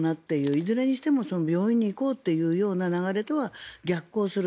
いずれにしても病院に行こうというような流れとは逆行する。